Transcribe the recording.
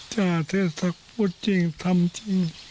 จ้าเทศกพุทธจริงธรรมจริง